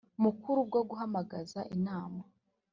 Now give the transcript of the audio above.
Mukuru bwo guhamagaza inama